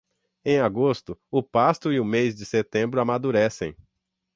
Em agosto, o pasto e o mês de setembro amadurecem.